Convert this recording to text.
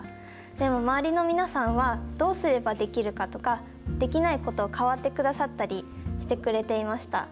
でも周りの皆さんは、どうすればできるかとか、できないことを代わってくださったりしてくれていました。